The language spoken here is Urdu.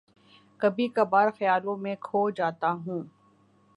کبھی کبھار خیالوں میں کھو جاتا ہوں